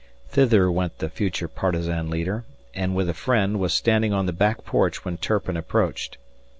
Thither went the future partisan leader, and, with a friend, was standing on the back porch when Turpin approached.